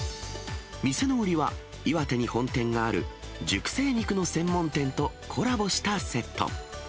店の売りは、岩手に本店がある熟成肉の専門店とコラボしたセット。